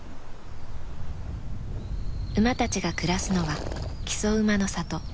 馬たちが暮らすのは木曽馬の里。